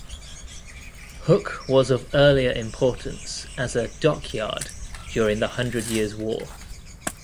Hook was of earlier importance, as a 'dockyard' during the Hundred Years' War.